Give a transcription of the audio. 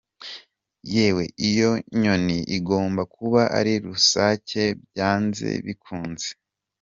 Yewe, iyo nyoni igomba kuba ari rusake byanze bikunze.